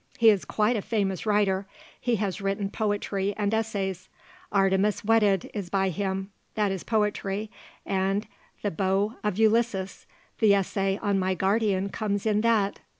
He is quite a famous writer. He has written poetry and essays. 'Artemis Wedded' is by him that is poetry; and 'The Bow of Ulysses' the essay on my guardian comes in that.